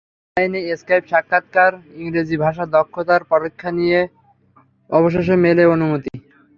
অনলাইনে স্কাইপ সাক্ষাৎকার, ইংরেজি ভাষায় দক্ষতার পরীক্ষা দিয়ে অবশেষে মেলে অনুমতি।